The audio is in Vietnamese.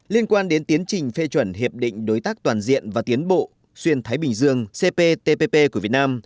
liên quan đến tiến trình phê chuẩn hiệp định đối tác toàn diện và tiến bộ xuyên thái bình dương cptpp của việt nam